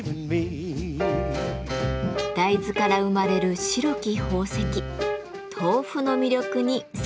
大豆から生まれる白き宝石「豆腐」の魅力に迫ります。